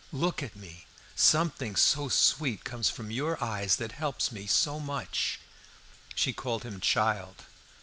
look at me! Something so sweet comes from your eyes that helps me so much!" She called him "child."